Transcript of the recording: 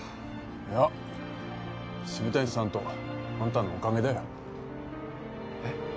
いや渋谷さんとあんたのおかげだよえっ？